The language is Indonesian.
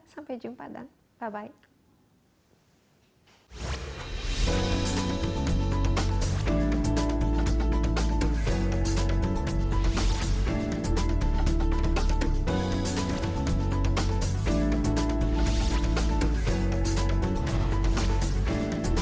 sampai jumpa dan bye bye